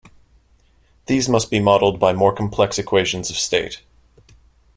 These must be modeled by more complex equations of state.